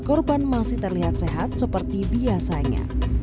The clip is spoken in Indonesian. korban masih terlihat sehat seperti biasanya